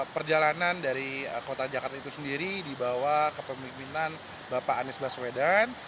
perjalanan dari kota jakarta itu sendiri dibawa ke pemimpinan bapak anies baswedan